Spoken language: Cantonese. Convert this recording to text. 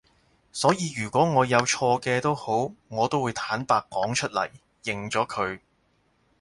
所以如果我有錯嘅都好我都會坦白講出嚟，認咗佢